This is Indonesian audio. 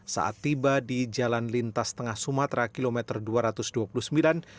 saat tiba di jalan lintas tengah sumatera kilometer dua ratus meter